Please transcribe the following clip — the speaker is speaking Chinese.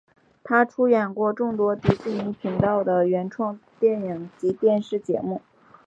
他出演过众多迪士尼频道的原创电影及电视节目。